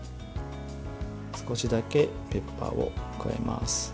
少しだけペッパーを加えます。